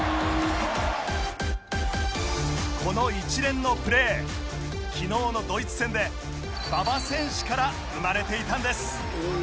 この一連のプレー昨日のドイツ戦で馬場選手から生まれていたんです。